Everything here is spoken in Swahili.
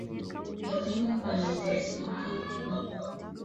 elimu ya msingi huko mkoani Singida mwaka elfu moja mia tisa themanini na saba